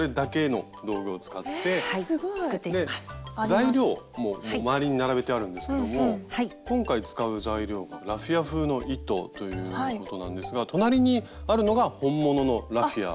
材料も周りに並べてあるんですけども今回使う材料がラフィア風の糸ということなんですが隣にあるのが本物のラフィア。